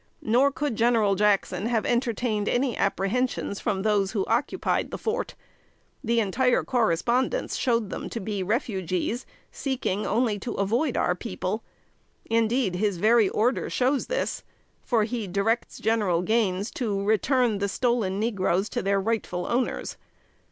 Nor could General Jackson have entertained any apprehensions from those who occupied the fort. The entire correspondence showed them to be refugees, seeking only to avoid our people; indeed, his very order shows this, for he directs General Gaines to return the "stolen negroes to their rightful owners."